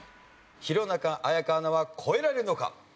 弘中綾香アナは越えられるのか？